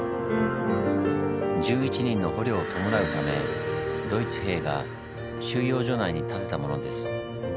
１１人の捕虜を弔うためドイツ兵が収容所内に建てたものです。